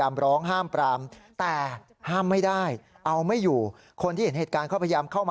มองหน้ามาทำไมครับตอบตีเลยครับ